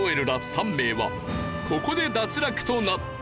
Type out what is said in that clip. ３名はここで脱落となった。